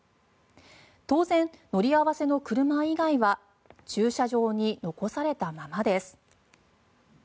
当然、乗り合わせの車以外は駐車場に残されたままです。